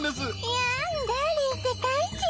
いやんダーリン世界一！